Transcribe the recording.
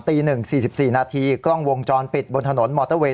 ตี๑๔๔นาทีกล้องวงจรปิดบนถนนมอเตอร์เวย